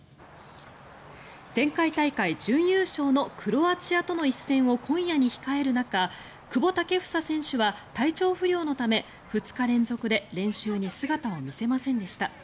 前回大会準優勝のクロアチアとの一戦を今夜に控える中久保建英選手は体調不良のため２日連続で練習に姿を見せませんでした。